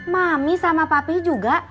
mami sama papi juga